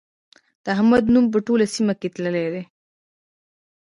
د احمد نوم په ټوله سيمه کې تللی دی.